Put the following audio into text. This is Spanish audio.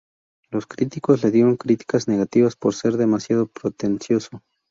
Los críticos le dieron críticas negativas por ser demasiado pretencioso.